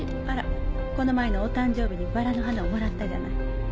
あらこの前のお誕生日にバラの花をもらったじゃない。